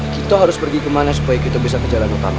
kita harus pergi kemana supaya kita bisa ke jalan utama